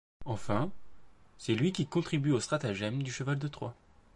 Enfin, c'est lui qui contribue au stratagème du cheval de Troie.